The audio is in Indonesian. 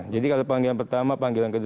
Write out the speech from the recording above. jadi kalau panggilan pertama panggilan kedua